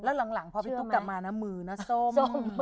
แล้วหลังพอพี่ตุ๊กกลับมานะมือนะส้ม